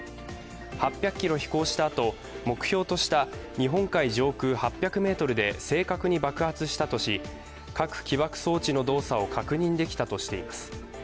８００ｋｍ飛行したあと目標とした日本海上空８００ｍで正確に爆発したとし、核起爆装置の動作を確認できたとしています。